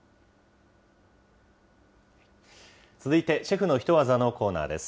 続いて、シェフのヒトワザのコーナーです。